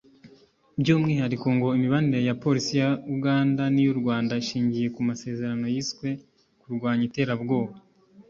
By’umwihariko ngo imibanire ya Polisi ya Uganda n’iy’u Rwanda ishingiye ku masezerano yiswe ‘kurwanya iterabwoba